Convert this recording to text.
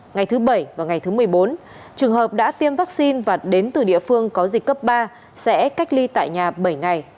ngày thứ bảy và ngày thứ một mươi bốn trường hợp đã tiêm vaccine và đến từ địa phương có dịch cấp ba sẽ cách ly tại nhà bảy ngày